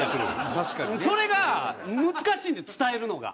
確かにね。それが難しいんですよ伝えるのが。